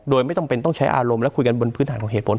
โดยไม่จำเป็นต้องใช้อารมณ์และคุยกันบนพื้นฐานของเหตุผล